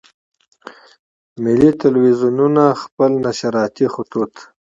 ملي ټلویزیونونه خپل نشراتي خطوط.